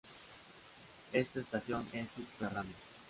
Esta estación es subterránea.